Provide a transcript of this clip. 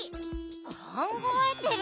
かんがえてるわよ。